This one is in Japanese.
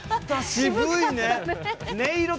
渋いね！